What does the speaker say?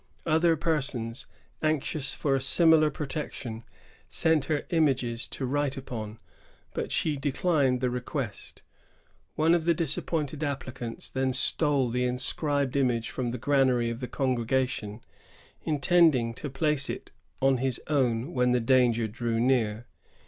Other persons, anxious for a similar protection, sent her images to write upon ; but she declined the request. One of the disappointed applicants then stole the inscribed image from the granary of the Congregation, intending to place it on his own when the danger drew near.